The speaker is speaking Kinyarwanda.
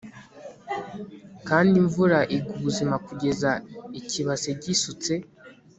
Kandi imvura igwa ubuzima kugeza ikibase gisutse